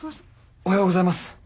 おはようございます。